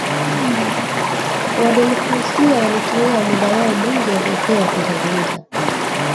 Wa demokrasia walitumia muda wao mwingi waliopewa kuzungumza